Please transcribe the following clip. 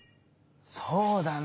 そうだな。